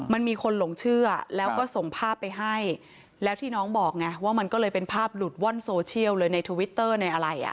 มันมีคนหลงเชื่อแล้วก็ส่งภาพไปให้แล้วที่น้องบอกไงว่ามันก็เลยเป็นภาพหลุดว่อนโซเชียลเลยในทวิตเตอร์ในอะไรอ่ะ